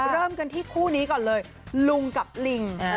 เริ่มกันที่คู่นี้ก่อนเลยลุงกับลิง